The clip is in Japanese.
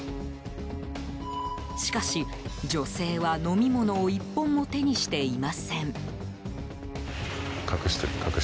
しかし、女性は飲み物を１本も手にしていません。